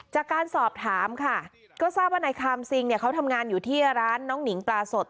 จากการสอบถามค่ะก็ทราบว่านายคามซิงเนี่ยเขาทำงานอยู่ที่ร้านน้องหนิงปลาสด